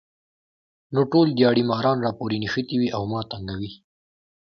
نو ټول دیاړي ماران راپورې نښتي وي ـ او ما تنګوي